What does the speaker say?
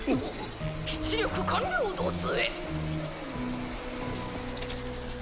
出力完了どすえ。